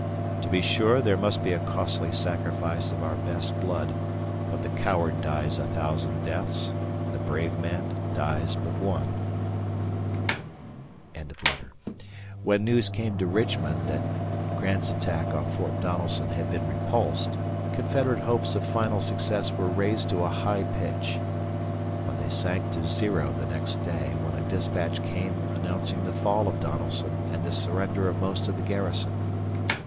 To be sure there must be a costly sacrifice of our best blood, but the coward dies a thousand deaths, the brave man dies but one. When news came to Richmond that Grant's attack on Fort Donelson had been repulsed, Confederate hopes of final success were raised to a high pitch. But they sank to zero the next day when a dispatch came announcing the fall of Donelson and the surrender of most of the garrison.